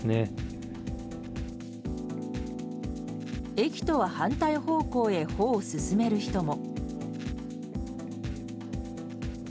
駅とは反対方向へ歩を進める人も。